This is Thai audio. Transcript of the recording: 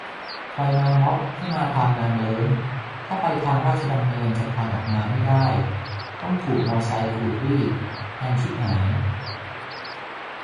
"ใครมาม็อบให้มาทางนางเลิ้ง ถ้าไปทางราชดำเนินจะผ่านออกมาไม่ได้ ต้องถูกมอไซต์ขูดรีด แพงฉิบหาย"